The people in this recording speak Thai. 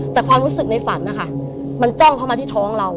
แต่ความรู้สึกในฝันนะคะมันจ้องเข้ามาที่ท้องเรา